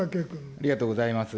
ありがとうございます。